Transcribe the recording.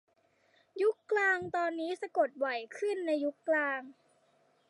ยุคกลางตอนนี้สะกดบ่อยขึ้นในยุคกลาง